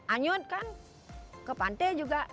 anyut kan ke pantai juga ladinya gitu